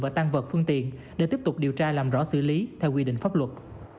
và tăng vật phương tiện để tiếp tục điều tra làm rõ xử lý theo quy định pháp luật